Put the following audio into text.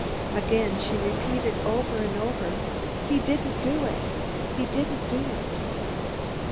Again she repeated over and over, 'He didn't do it He didn't do it!'"